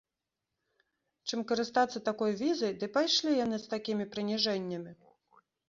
Чым карыстацца такой візай, ды пайшлі яны з такімі прыніжэннямі!